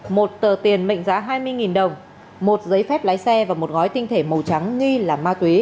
một tờ tiền mệnh giá hai mươi đồng một giấy phép lái xe và một gói tinh thể màu trắng nghi là ma túy